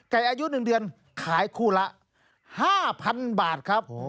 อายุ๑เดือนขายคู่ละ๕๐๐๐บาทครับ